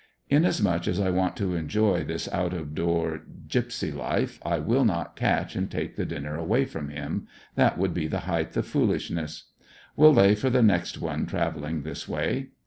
In as much as I want to enjoy this out door Gyp sy life, I will not catch and take the dinner away from him. That would be the heighth of foolishness. Will lay for the next one traveling this way.